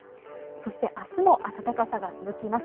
そしてあすも暖かさが続きます。